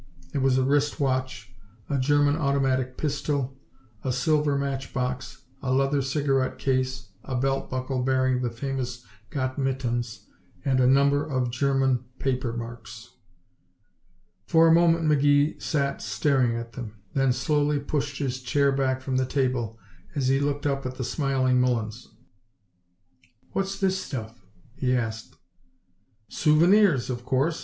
There was a wrist watch, a German automatic pistol, a silver match box, a leather cigarette case, a belt buckle bearing the famous "Gott Mit Uns" and a number of German paper marks. For a moment McGee sat staring at them, then slowly pushed his chair back from the table as he looked up at the smiling Mullins. "What's this stuff?" he asked. "Souvenirs, of course!